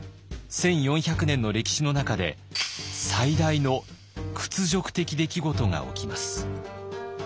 １，４００年の歴史の中で最大の屈辱的出来事が起きます。